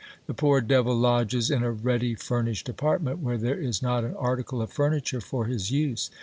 The poor devil lodges in a ready furnished apartment, where there is not an article of furniture for his use.